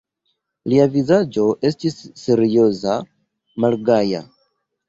Lia vizaĝo estis serioza, malgaja.